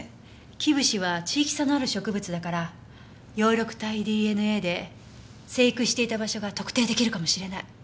キブシは地域差のある植物だから葉緑体ＤＮＡで生育していた場所が特定出来るかもしれない。